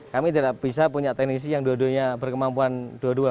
kami tidak bisa punya teknisi yang berkemampuan dua dua